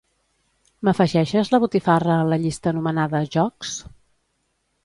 M'afegeixes la botifarra a la llista anomenada "jocs"?